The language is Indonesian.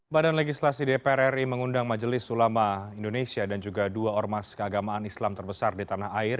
badan legislasi dpr ri mengundang majelis ulama indonesia dan juga dua ormas keagamaan islam terbesar di tanah air